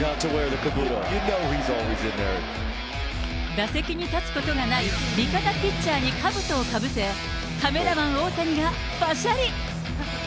打席に立つことがない、味方ピッチャーにかぶとをかぶせ、カメラマン大谷がぱしゃり。